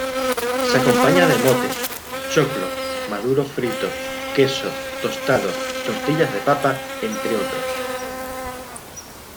Se acompaña de mote, choclo, maduro frito, queso, tostado, tortillas de papa, entre otros.